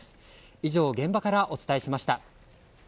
以上、現場からお伝えしました。